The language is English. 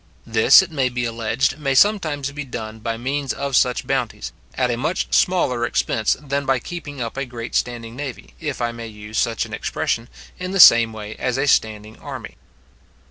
This, it may be alleged, may sometimes be done by means of such bounties, at a much smaller expense than by keeping up a great standing navy, if I may use such an expression, in the same way as a standing army.